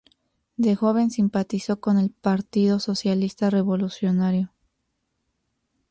De joven simpatizó con el Partido Socialista Revolucionario.